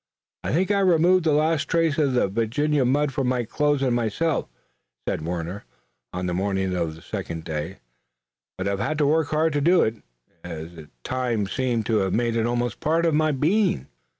"I think I've removed the last trace of the Virginia mud from my clothes and myself," said Warner on the morning of the second day, "but I've had to work hard to do it, as time seemed to have made it almost a part of my being."